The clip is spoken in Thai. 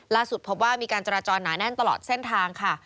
พบว่ามีการจราจรหนาแน่นตลอดเส้นทางค่ะ